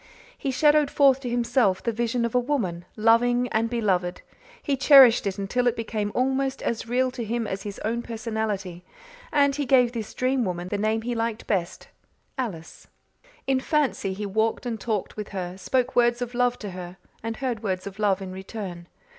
He shadowed forth to himself the vision of a woman, loving and beloved; he cherished it until it became almost as real to him as his own personality and he gave this dream woman the name he liked best Alice. In fancy he walked and talked with her, spoke words of love to her, and heard words of love in return.